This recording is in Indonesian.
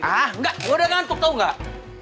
hah nggak gue udah ngantuk tau gak